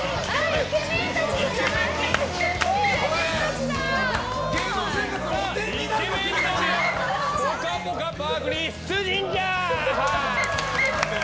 イケメンたちがぽかぽかパークに出陣じゃ！